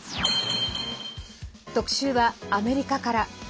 特集はアメリカから。